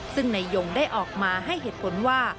ซึ่งนายยงได้ออกมาให้เหตุผลว่า